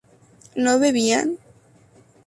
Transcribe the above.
¿no bebían?